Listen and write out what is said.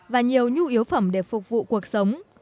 và nhiều nhu yếu phẩm để phục vụ cuộc sống